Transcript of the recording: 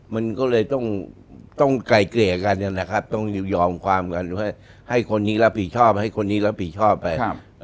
มันก็เลยต้องไกลเกลี่ยกันนะครับต้องยอมความกันให้คนนี้รับผิดชอบให้คนนี้รับผิดชอบไป